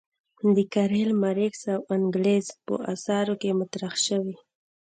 د کارل مارکس او انګلز په اثارو کې مطرح شوې.